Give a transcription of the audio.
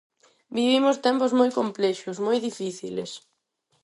Vivimos tempos moi complexos, moi difíciles.